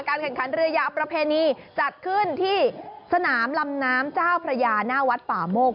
แข่งขันเรือยาวประเพณีจัดขึ้นที่สนามลำน้ำเจ้าพระยาหน้าวัดป่าโมก